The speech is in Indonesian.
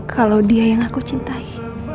kalau dia yang aku cintai